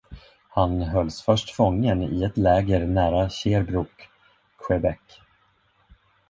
Han hölls först fången i ett läger nära Sherbrooke, Quebec.